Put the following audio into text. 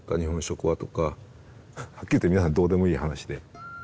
はっきり言って皆さんどうでもいい話で。